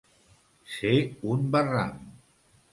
Ser un barram.